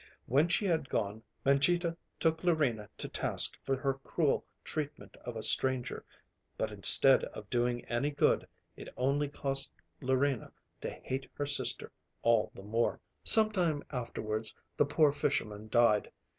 When she had gone Mangita took Larina to task for her cruel treatment of a stranger; but, instead of doing any good, it only caused Larina to hate her sister all the more. Some time afterwards the poor fisherman died.